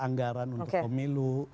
anggaran untuk pemilu